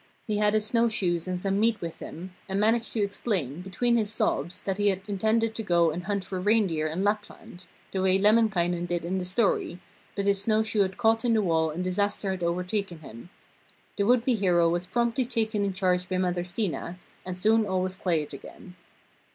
He had his snow shoes and some meat with him, and managed to explain, between his sobs, that he had intended to go and hunt for reindeer in Lapland, the way Lemminkainen did in the story, but his snow shoe had caught in the wall and disaster had overtaken him. The would be hero was promptly taken in charge by Mother Stina, and soon all was quiet again.